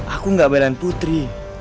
aku gak belain putri